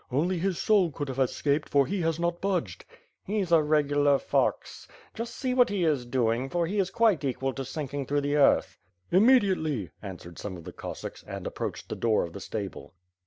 Only his soul could have escaped, for he has not budged." "He's a regular fox. Just see what he is doing, for he is quite equal to sinking through the earth." "Immediately," answered some of the Cossacks, and ap proached the door of the stable.